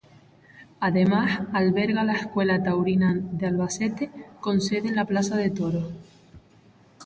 Además, alberga la Escuela Taurina de Albacete, con sede en la Plaza de Toros.